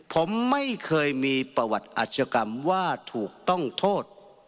ผมไม่เคยมีประวัติอาชกรรมว่าถูกต้องโทษ